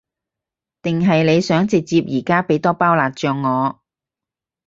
定係你想直接而家畀多包辣醬我？